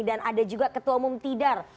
dan ada juga ketua umum tidar